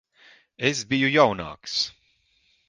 Es biju jaunāks.